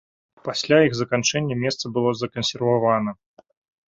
Пасля іх заканчэння месца было закансервавана.